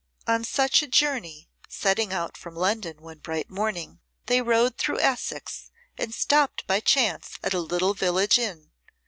On such a journey, setting out from London one bright morning, they rode through Essex and stopped by chance at a little village inn.